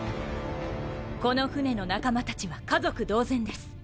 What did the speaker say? この船の仲間たちは家族同然です。